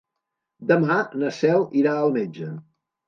Demà na Cel irà al metge.